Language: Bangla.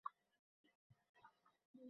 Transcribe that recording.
আমরা তোমাকে ফেলে যাবো না।